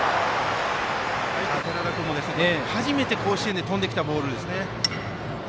初めて甲子園で飛んできたボールですね。